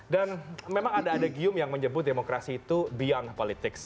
dan memang ada ada gium yang menyebut demokrasi itu biang politik